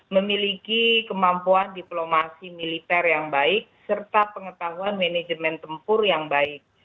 memiliki kemampuan diplomasi militer yang baik serta pengetahuan manajemen tempur yang baik